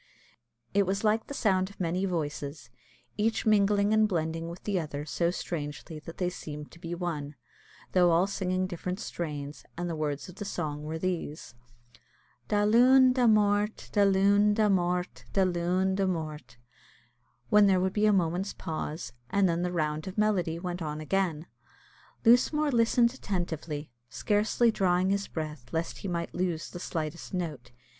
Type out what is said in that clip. It was like the sound of many voices, each mingling and blending with the other so strangely that they seemed to be one, though all singing different strains, and the words of the song were these Da Luan, Da Mort, Da Luan, Da Mort, Da Luan, Da Mort; when there would be a moment's pause, and then the round of melody went on again. Lusmore listened attentively, scarcely drawing his breath lest he might lose the slightest note.